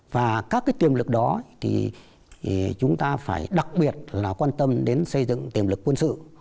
và các tiềm lực đó thì chúng ta phải đặc biệt là quan tâm đến xây dựng tiềm lực quân sự